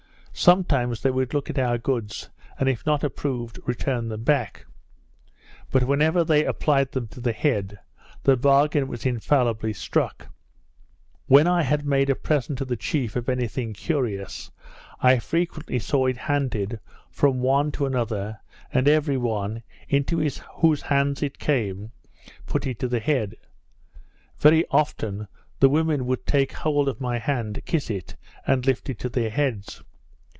Sometimes they would look at our goods, and if not approved, return them back; but whenever they applied them to the head, the bargain was infallibly struck. When I had made a present to the chief of any thing curious, I frequently saw it handed from one to another; and every one, into whose hands it came, put it to the head. Very often the women would take hold of my hand, kiss it, and lift it to their heads.